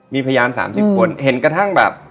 มีพยานสามสิบคนเห็นกระทั่งแบบ